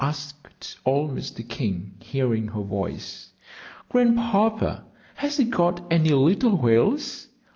asked old Mr. King, hearing her voice. "Grandpapa, has he got any little whales?"